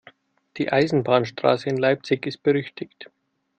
Die Eisenbahnstraße in Leipzig ist berüchtigt.